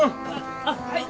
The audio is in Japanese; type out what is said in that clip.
あっはい！